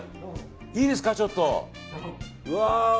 いいですか、ちょっと。